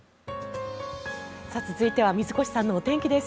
続いては水越さんのお天気です。